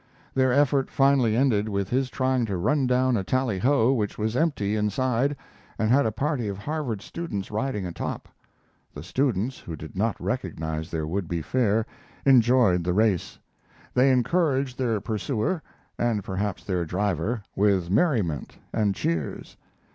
Their effort finally ended with his trying to run down a tally ho which was empty inside and had a party of Harvard students riding atop. The students, who did not recognize their would be fare, enjoyed the race. They encouraged their pursuer, and perhaps their driver, with merriment and cheers.